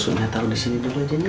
susunya takut di sini dulu arjun ya